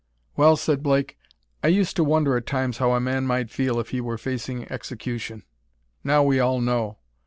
"Well," said Blake, "I used to wonder at times how a man might feel if he were facing execution. Now we all know.